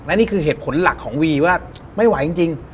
และนี่คือเหตุผลหลักของวีว่าไม่ไหวจริง